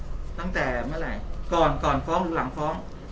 ตั้งแต่เมื่อไหร่ก่อนก่อนฟ้องหรือหลังฟ้อง